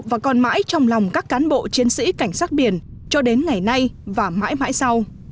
và còn mãi trong lòng các cán bộ chiến sĩ cảnh sát biển cho đến ngày nay và mãi mãi sau